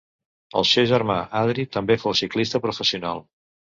El seu germà Adri també fou ciclista professional.